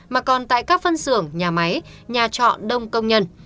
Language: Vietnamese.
mà còn tại các phân xưởng nhà máy nhà trọ đông công nhân